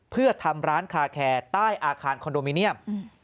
เพื่อทำร้านคาแคร์ใต้อาคารคอนโดมิเนียม